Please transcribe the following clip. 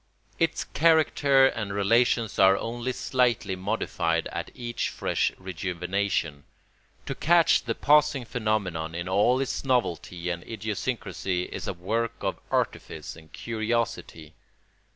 Its character and relations are only slightly modified at each fresh rejuvenation. To catch the passing phenomenon in all its novelty and idiosyncrasy is a work of artifice and curiosity.